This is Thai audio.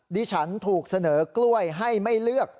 ดิฉันถูกเสนอกล้วยให้ไม่เลือก